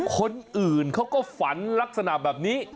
คนอื่นเขาก็ฝันลักษณะแบบนี้